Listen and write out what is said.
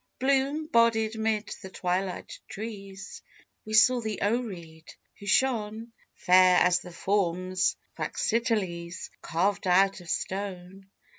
Bloom bodied 'mid the twilight trees We saw the Oread, who shone Fair as the forms Praxiteles Carved out of stone.